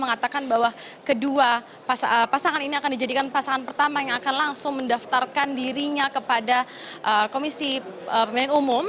mengatakan bahwa kedua pasangan ini akan dijadikan pasangan pertama yang akan langsung mendaftarkan dirinya kepada komisi pemilihan umum